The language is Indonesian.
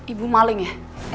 ibu maling ya